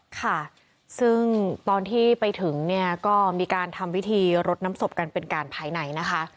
ค่ะซึ่งตอนที่ไปถึงเนี่ยก็มีการทำพิธีรดน้ำศพกันเป็นการภายในนะคะ